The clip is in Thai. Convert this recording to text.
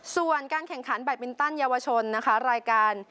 ส่วนการแข่งขันแบตมินตันเยาวชนนะคะรายการ